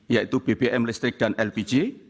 yaitu bbm listrik dan lpg